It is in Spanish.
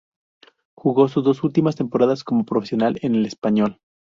Jugó sus dos últimas temporadas como profesional en el Español.